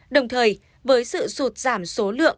đồng thời với sự sụt giảm số lượng